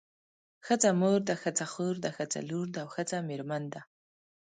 ښځه مور ده ښځه خور ده ښځه لور ده او ښځه میرمن ده.